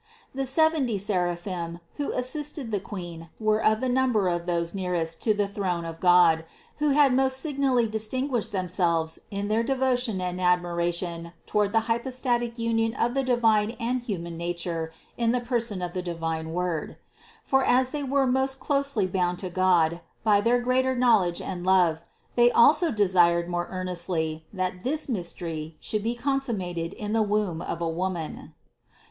THE CONCEPTION 295 367. The seventy seraphim, who assisted the Queen were of the number of those nearest to the throne of God, who had most signally distinguished themselves in their devotion and admiration toward the hypostatic union of the divine and human nature in the person of the divine Word. For as they were most closely bound to God by their greater knowledge and love, they also desired more earnestly, that this mystery should be con summated in the womb of a woman.